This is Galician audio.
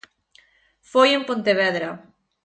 Foi en Pontevedra.